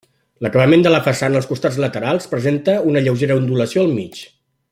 L'acabament de la façana, als costats laterals, presenta una lleugera ondulació al mig.